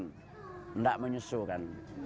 tidak menyusu kan